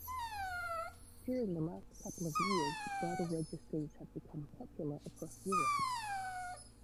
During the last couple of years, bridal registries have become popular across Europe.